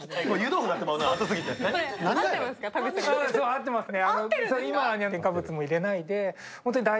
合ってますね。